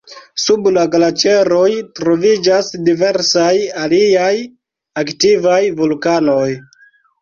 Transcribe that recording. Sub la glaĉeroj troviĝas diversaj aliaj aktivaj vulkanoj.